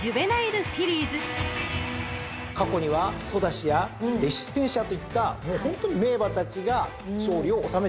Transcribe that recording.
過去にはソダシやレシステンシアといったもうホントに名馬たちが勝利を収めています。